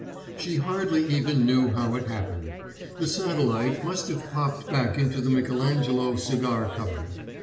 She hardly even knew how it happened. The satellite must have popped back into the Michelangelo cigar cupboard.